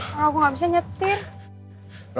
kalau aku gak bisa nyetir